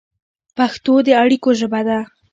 پښتو د اړیکو ژبه ده.